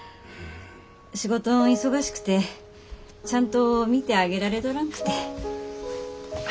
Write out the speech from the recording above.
仕事ん忙しくてちゃんと見てあげられとらんくて。